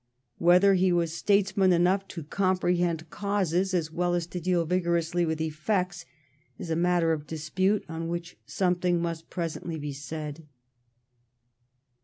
Whether he was statesman enough to comprehend causes as well as to deal vigorously with effects is a matter of dispute on which something must presently be said.